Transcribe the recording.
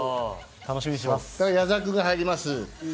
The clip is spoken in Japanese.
矢澤君が入ります。